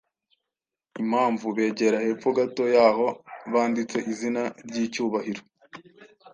Impamvu: Begera hepfo gato y’aho banditse izina ry’icyubahiro